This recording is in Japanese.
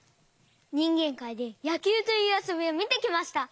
にんげんかいで「やきゅう」というあそびをみてきました！